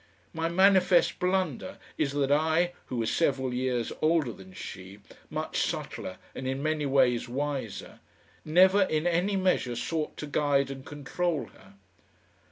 My manifest blunder is that I, who was several years older than she, much subtler and in many ways wiser, never in any measure sought to guide and control her.